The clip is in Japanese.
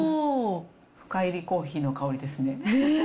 深いりコーヒーの香りですね。